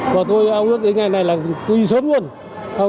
và tôi ước đến ngày này là tôi đi sớm luôn